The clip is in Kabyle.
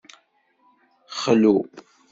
Xlu.